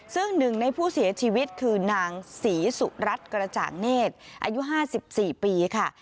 ซึ่งหนึ่งในผู้เสียชีวิตคือนางศรีสุรัตน์กระจ่างเนธอายุ๕๔ปีค่ะ